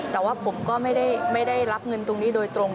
แต่ว่าผมก็ไม่ได้รับเงินตรงนี้โดยตรง